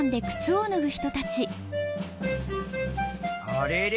あれれ？